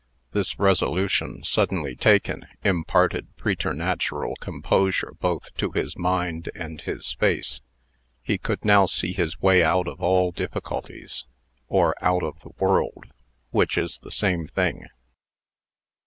This resolution, suddenly taken, imparted preternatural composure both to his mind and his face. He could now see his way out of all difficulties or out of the world, which is the same thing.